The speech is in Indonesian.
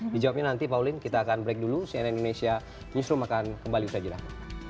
dijawabnya nanti pauline kita akan break dulu cnn indonesia newsroom akan kembali usai jeda